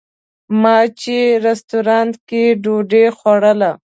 ما چې رسټورانټ کې ډوډۍ خوړله.